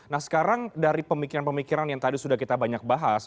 nah sekarang dari pemikiran pemikiran yang tadi sudah kita banyak bahas